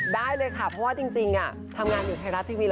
ได้เลยค่ะเพราะว่าจริงทำงานอยู่ไทยรัฐทีวี